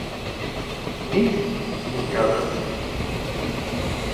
Nick", entre otros.